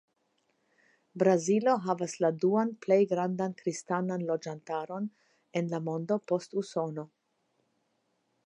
Brazilo havas la duan plej grandan kristanan loĝantaron en la mondo post Usono.